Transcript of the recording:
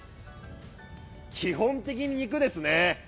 基本的に肉ですね。